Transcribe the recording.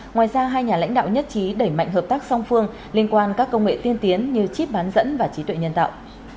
ngoài ra hai nhà lãnh đạo nhất trí đẩy mạnh hợp tác song phương liên quan các công nghệ tiên tiến như chip bán dẫn và trí tuệ nhân tạo